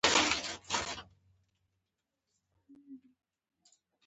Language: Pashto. د شوروي اتحاد او کیوبا په مرسته یې نظام له سقوط څخه وساته.